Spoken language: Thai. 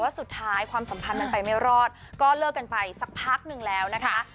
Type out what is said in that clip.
สุดท้ายความสัมพันธ์มันไปไม่รอดก็เลิกกันไปสักพักหนึ่งแล้วนะคะ